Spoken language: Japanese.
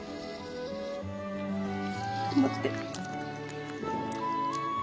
頑張って。